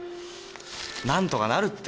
何とかなるって。